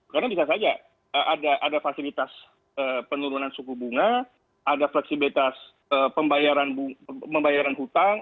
karena bisa saja ada fasilitas penurunan suku bunga ada fleksibilitas pembayaran hutang